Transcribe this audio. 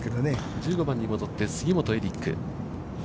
１５番に戻って、杉本エリック。